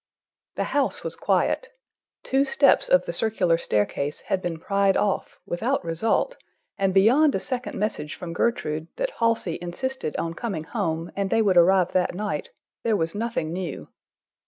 The house was quiet. Two steps of the circular staircase had been pried off, without result, and beyond a second message from Gertrude, that Halsey insisted on coming home and they would arrive that night, there was nothing new.